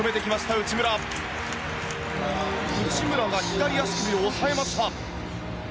内村は左足首を押さえました。